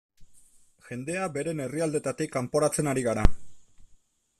Jendea beren herrialdeetatik kanporatzen ari gara.